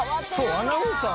アナウンサーなの？